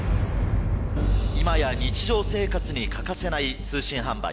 今や日常生活に欠かせない通信販売。